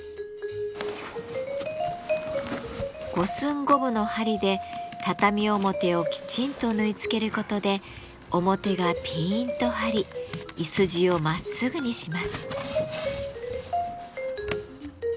五寸五分の針で畳表をきちんと縫い付けることで表がピンと張りいすじをまっすぐにします。